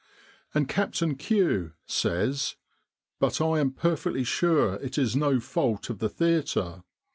' And Captain Q x says But I am perfectly sure it is no fault of the theatre